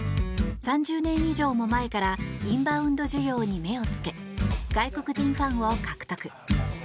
３０年以上も前からインバウンド需要に目をつけ外国人ファンを獲得。